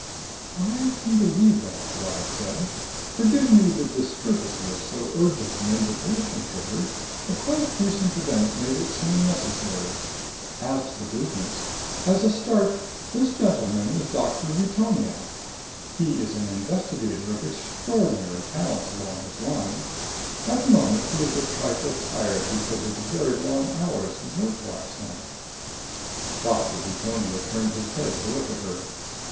"I can believe that," Lyad said. "Forgive me the discourtesy of so urgent an invitation, Trigger. A quite recent event made it seem necessary. As to the business as a start, this gentleman is Doctor Veetonia. He is an investigator of extraordinary talents along his line. At the moment, he is a trifle tired because of the very long hours he worked last night." Doctor Veetonia turned his head to look at her.